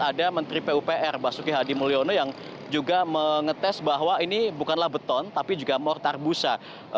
ada menteri pupr basuki hadi mulyono yang juga mengetes bahwa ini bukanlah beton tapi juga mortar busa